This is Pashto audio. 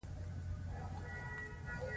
محمد ایوب خان د فاتح په حیث کندهار ښار ته ننوت.